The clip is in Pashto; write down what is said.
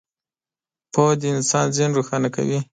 • پوهه د انسان ذهن روښانه کوي.